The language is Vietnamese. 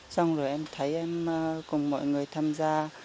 xong rồi em thấy em cùng mọi người tham gia